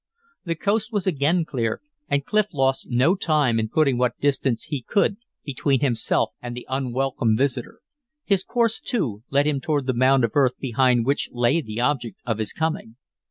The coast was again clear, and Clif lost no time in putting what distance he could between himself and the unwelcome visitor. His course, too, led him toward the mound of earth behind which lay the object of his coming.